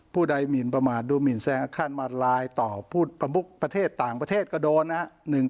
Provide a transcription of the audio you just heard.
ผู้ใดหมินประมาทดูหมินแซลค์ทานบรายต่อผู้ประมุขต่างประเทศก็โดนนะครับ